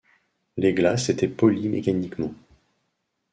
Les glaces étaient polies mécaniquement.